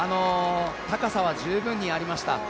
高さは十分にありました。